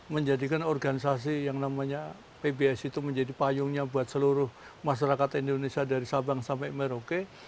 menjadikan organisasi yang namanya pbsi itu menjadi payungnya buat seluruh masyarakat indonesia dari sabang sampai merauke